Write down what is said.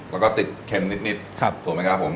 แล้วก็ติดเค็มนิดถูกไหมครับผม